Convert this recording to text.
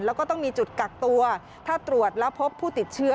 แล้วก็ต้องมีจุดกักตัวถ้าตรวจแล้วพบผู้ติดเชื้อ